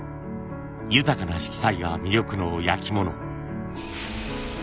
豊かな色彩が魅力の焼き物有田焼です。